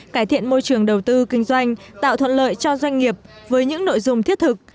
cải thiện môi trường đầu tư kinh doanh tạo thuận lợi cho doanh nghiệp với những nội dung thiết thực